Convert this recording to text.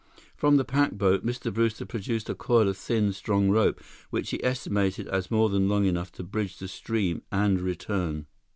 From the pack boat, Mr. Brewster produced a coil of thin, strong rope which he estimated as more than long enough to bridge the stream and return.